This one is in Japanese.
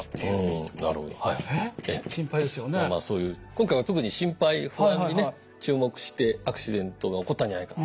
今回は特に心配不安にね注目して「アクシデントが起こったんじゃないか」